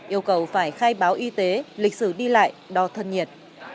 yêu cầu phải khai báo y tế lịch sử đi lại đo thân nhiệt